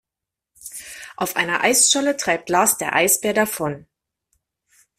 Auf einer Eisscholle treibt Lars der Eisbär davon.